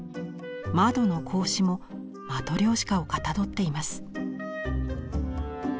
窓の格子もマトリョーシカをかたどっています。